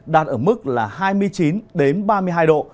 đạt ở mức là hai mươi chín ba mươi hai độ